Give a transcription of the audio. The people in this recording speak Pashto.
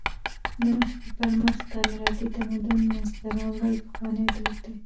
د مځکي پر مخ تعمیراتي تمدن منځ ته راوړل پخوانى دود دئ.